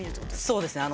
そうですね。